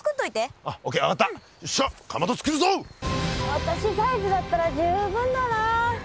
私サイズだったら十分だな。